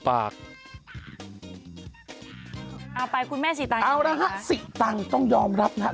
เอานะฮะสิตังค์ต้องยอมรับนะฮะ